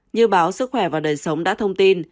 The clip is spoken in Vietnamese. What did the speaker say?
như báo sức khỏe và đời sống đã thông tin